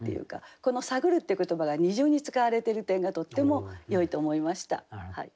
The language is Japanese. この「探る」っていう言葉が二重に使われてる点がとってもよいと思いました。